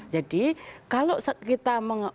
jadi kalau saya bisa mengatakan